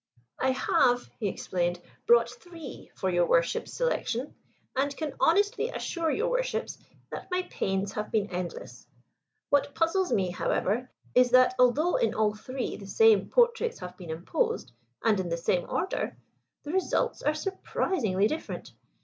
"I have," he explained, "brought three for your Worships' selection, and can honestly assure your Worships that my pains have been endless. What puzzles me, however, is that although in all three the same portraits have been imposed, and in the same order, the results are surprisingly different.